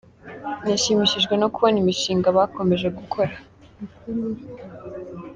Nashimishijwe no kubona imishinga bakomeje gukora.